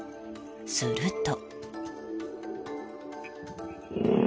すると。